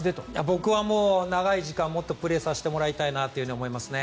僕は長い時間もっとプレーさせてもらいたいなと思いますね。